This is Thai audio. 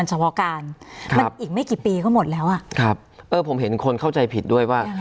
เฉพาะการครับมันอีกไม่กี่ปีก็หมดแล้วอ่ะครับเออผมเห็นคนเข้าใจผิดด้วยว่า